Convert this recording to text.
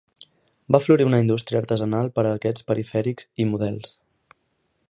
Va florir una indústria artesanal per a aquests perifèrics i models.